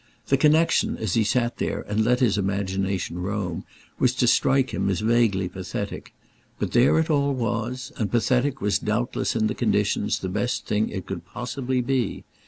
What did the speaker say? The connexion, as he sat there and let his imagination roam, was to strike him as vaguely pathetic; but there it all was, and pathetic was doubtless in the conditions the best thing it could possibly be.